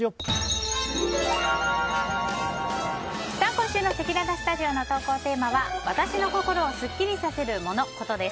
今週のせきららスタジオの投稿テーマは私の心をスッキリさせるモノ・コトです。